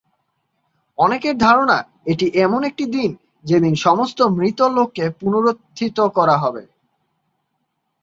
অনেকের ধারণা, এটি এমন একটি দিন যেদিন সমস্ত মৃত লোককে পুনরুত্থিত করা হবে।